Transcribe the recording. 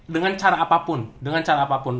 dengan cara apapun dengan cara apapun